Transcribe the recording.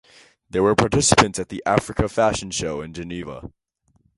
They were participants at the Africa Fashion Show in Geneva.